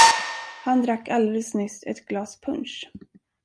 Han drack alldeles nyss ett glas punsch.